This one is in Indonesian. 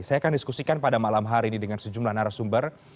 saya akan diskusikan pada malam hari ini dengan sejumlah narasumber